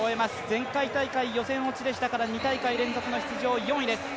前回大会、予選落ちでしたから２大会連続出場４位です。